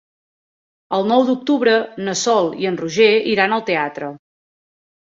El nou d'octubre na Sol i en Roger iran al teatre.